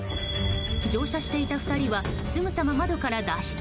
乗車していた２人はすぐさま窓から脱出。